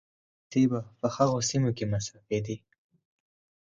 دا پيسې به په هغو سيمو کې مصرفېدې